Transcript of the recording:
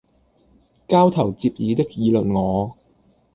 交頭接耳的議論我，